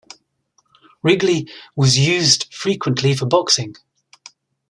Wrigley was used frequently for boxing.